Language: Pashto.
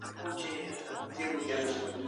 اسلام د نورو د عبادت ځایونو خوندیتوب تضمینوي.